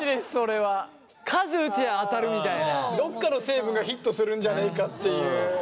どっかの成分がヒットするんじゃないかっていう。